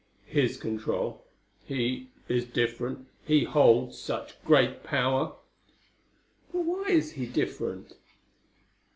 His control he is different: he holds such great power." "But why is he different?"